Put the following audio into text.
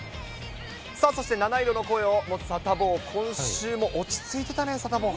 さあ、そして七色の声を持つサタボー、今週も落ち着いてたね、サタボー。